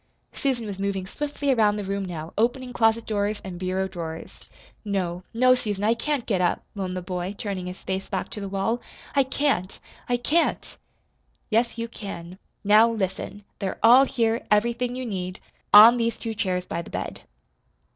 Susan was moving swiftly around the room now, opening closet doors and bureau drawers. "No, no, Susan, I can't get up," moaned the boy turning his face back to the wall. "I can't I can't!" "Yes, you can. Now, listen. They're all here, everything you need, on these two chairs by the bed."